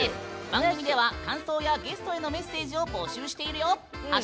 番組では感想やゲストへのメッセージを募集しているよ！